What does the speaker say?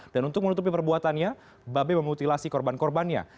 dan untuk menutupi perbuatannya babe memutilasi korban korbannya